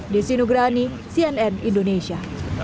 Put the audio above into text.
desi nugrani cnn indonesia